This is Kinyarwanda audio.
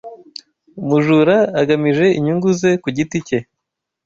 Umujura agamije inyungu ze ku giti ke